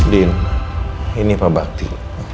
din ini pak bakti